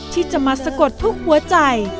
ที่จะมาสะกดทุกหัวใจ